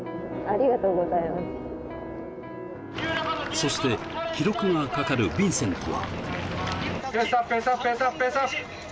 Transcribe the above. そして記録がかかるヴィンセントは。